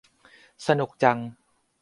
สนุกจัง